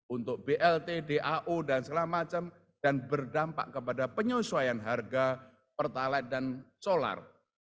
untuk blt dau dan segala macam dan berdampak kepada penyesuaian harga pertalite dan solar